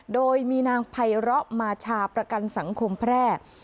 โดยมีนางไพร้อมาชาประกันสังคมแพร่